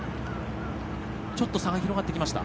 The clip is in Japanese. ちょっと、差が広がってきました。